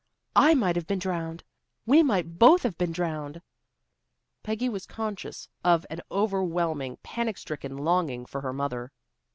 I might have been drowned. We might both have been drowned." Peggy was conscious of an overwhelming, panic stricken longing for her mother.